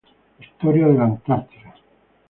Historia de la Antártida